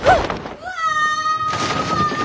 うわ！